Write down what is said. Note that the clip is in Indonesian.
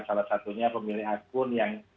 salah satunya pemilik akun yang